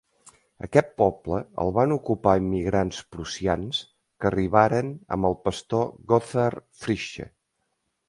Aquest poble el van ocupar immigrants prussians que arribaren amb el pastor Gotthard Fritzsche.